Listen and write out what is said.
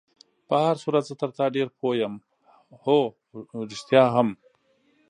په هر صورت زه تر تا ډېر پوه یم، هو، رښتیا هم.